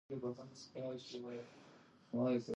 مانا شوی د پوښتنې وړدی،